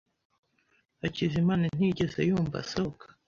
Hakizimana ntiyigeze yumva asohoka.